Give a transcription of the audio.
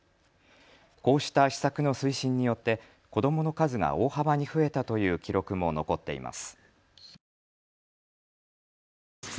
こうした施策の推進によって子どもの数が大幅に増えたという記録も残っています。